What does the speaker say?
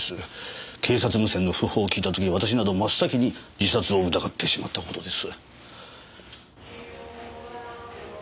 警察無線の訃報を聞いた時私など真っ先に自殺を疑ってしまったほどです。